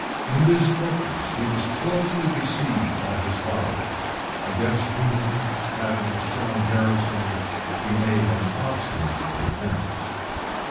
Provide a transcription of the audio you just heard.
In this fortress he was closely besieged by his father, against whom having a strong garrison, he made an obstinate defence.